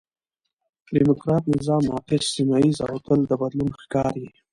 ډيموکراټ نظام ناقص، سمیه ييز او تل د بدلون ښکار یي.